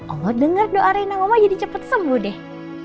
allah denger doa reina mama jadi cepet sembuh deh